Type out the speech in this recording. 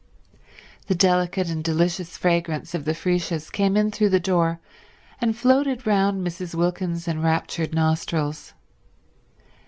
The delicate and delicious fragrance of the freesias came in through the door and floated round Mrs. Wilkins's enraptured nostrils.